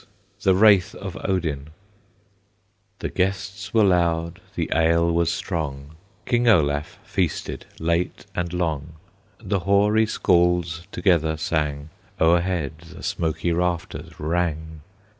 THE WRAITH OF ODIN. The guests were loud, the ale was strong, King Olaf feasted late and long; The hoary Scalds together sang; O'erhead the smoky rafters rang.